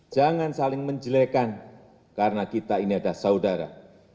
jangan saling menjelekan karena kita ini adalah saudara